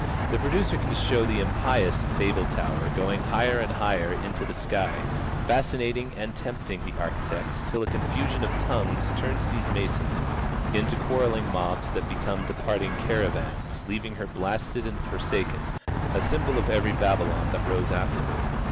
The producer can show the impious Babel Tower, going higher and higher into the sky, fascinating and tempting the architects till a confusion of tongues turns those masons into quarrelling mobs that become departing caravans, leaving her blasted and forsaken, a symbol of every Babylon that rose after her.